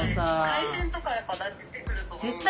海鮮とかやっぱ出てくると思うので。